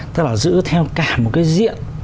tức là giữ theo cả một cái diện